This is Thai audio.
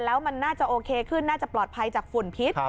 แล้วมันน่าจะโอเคขึ้นน่าจะปลอดภัยจากฝุ่นพิษ